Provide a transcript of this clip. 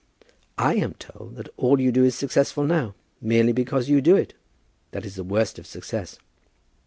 "I am told that all you do is successful now, merely because you do it. That is the worst of success."